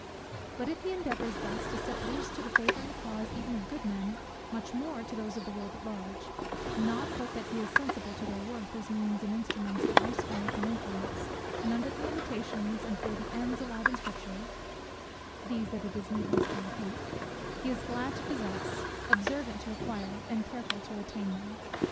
But if he endeavours thus to set loose to the favour and applause even of good men, much more to those of the world at large; not but that he is sensible of their worth as means and instruments of usefulness and influence; and under the limitations and for the ends allowed in Scripture (these it is needless to repeat) he is glad to possess, observant to acquire, and careful to retain them.